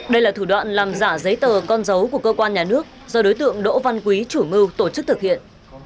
đây là thủ đoạn làm giả giấy tờ con dấu của cơ quan nhà nước do đối tượng đỗ văn quý chủ mưu tổ chức thực hiện